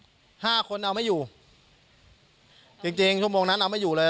ห้าคนเอาไม่อยู่จริงจริงชั่วโมงนั้นเอาไม่อยู่เลย